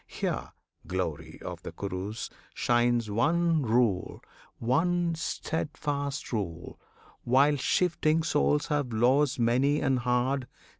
Here, Glory of the Kurus! shines one rule One steadfast rule while shifting souls have laws Many and hard.